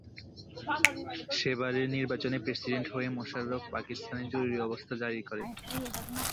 সে বারের নির্বাচনে প্রেসিডেন্ট হয়ে মোশারফ পাকিস্তানে জরুরি অবস্থা জারি করে।